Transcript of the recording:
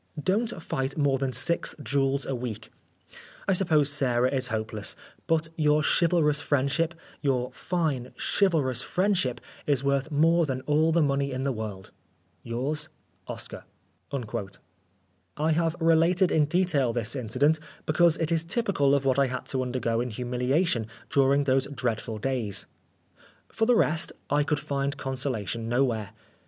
Don't fight more than 6 duels a week ! I suppose Sarah is hopeless ; but your chivalrous friendship your fine, chivalrous friendship is worth more than all the money in the world. Yours, OSCAR. I have related in detail this incident because it is typical of what I had to under go in humiliation during those dreadful 144 Oscar Wilde days. For the rest, I could find consolation nowhere.